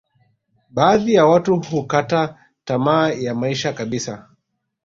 baadhi ya watu hukata tamaa ya maisha kabisa